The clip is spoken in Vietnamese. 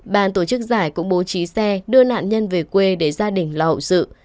ban tổ chức giải cũng bố trí xe đưa nạn nhân về quê để gia đình lậu dự